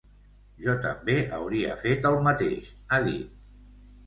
Jo també hauria fet el mateix, ha dit.